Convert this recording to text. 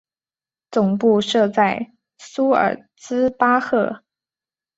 总部设在苏尔茨巴赫。